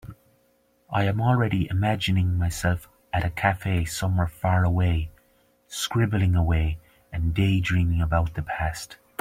I am already imagining myself at a cafe somewhere far away, scribbling away and daydreaming about the past.